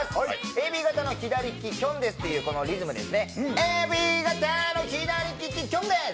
「ＡＢ型の左利き、きょんです！」っていうリズム、「ＡＢ型の左利き、きょんです！」